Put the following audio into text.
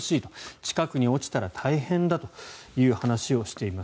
近くに落ちたら大変だという話をしています。